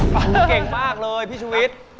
ฟังเก่งมากเลยพี่ชุวิต